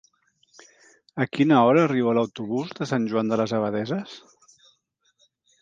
A quina hora arriba l'autobús de Sant Joan de les Abadesses?